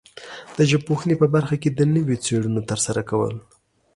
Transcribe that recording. د ژبپوهنې په برخه کې د نویو څېړنو ترسره کول